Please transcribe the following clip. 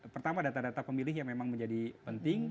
pertama data data pemilih yang memang menjadi penting